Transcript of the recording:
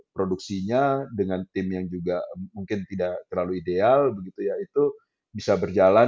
produksinya dengan tim yang juga mungkin tidak terlalu ideal begitu ya itu bisa berjalan